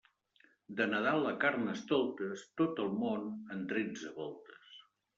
De Nadal a Carnestoltes, tot el món en tretze voltes.